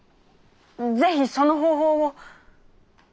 ぜひその方法を。